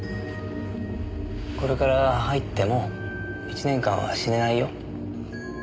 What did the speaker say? これから入っても１年間は死ねないよ。